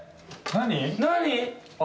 何？